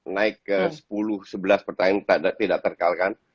naik ke sepuluh sebelas pertandingan tidak terkalahkan